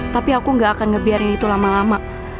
tapi aku gak akan ngebiarin itu lama lama